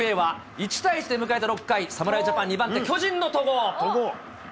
１対１で迎えた６回、侍ジャパン、２番手、巨人のとごう。